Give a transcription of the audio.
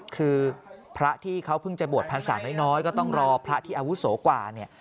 คือพระที่เขาเพิ่งจะบวชพรรษาน้อยก็ต้องรอพระที่อาวุโสกว่าเนี่ย